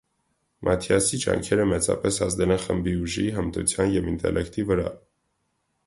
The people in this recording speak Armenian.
Մաթիասի ջանքերը մեծապես ազդել են խմբի ուժի, հմտության և ինտելեկտի վրա։